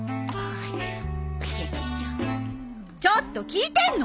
ちょっと聞いてんの！？